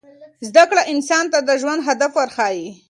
زده کړه انسان ته د ژوند هدف ورښيي.